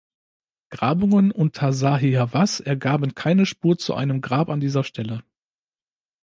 Grabungen unter Zahi Hawass ergaben keine Spur zu einem Grab an dieser Stelle.